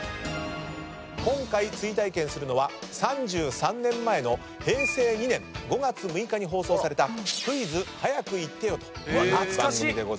今回追体験するのは３３年前の平成２年５月６日に放送された『クイズ！早くイッてよ』懐かしい！